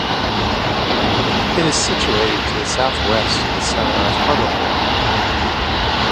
It is situated to the south-west of the centre of Hartlepool.